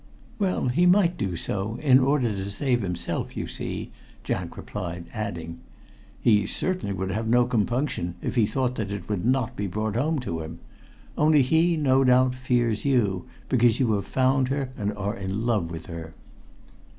"Well, he might do so, in order to save himself, you see," Jack replied, adding: "He certainly would have no compunction if he thought that it would not be brought home to him. Only he, no doubt, fears you, because you have found her, and are in love with her."